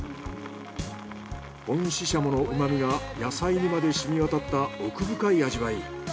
本シシャモの旨みが野菜にまで染み渡った奥深い味わい。